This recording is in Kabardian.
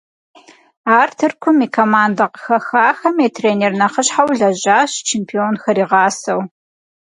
Ар Тыркум и командэ къыхэхам и тренер нэхъыщхьэу лэжьащ, чемпионхэр игъасэу.